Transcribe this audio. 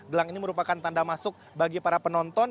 gelang ini merupakan tanda masuk bagi para penonton